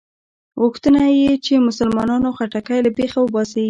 غوښته یې چې مسلمانانو خټکی له بېخه وباسي.